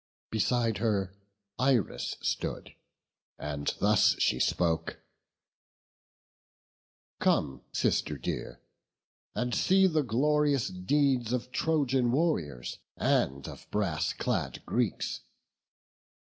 Beside her Iris stood, and thus she spoke: "Come, sister dear, and see the glorious deeds Of Trojan warriors and of brass clad Greeks.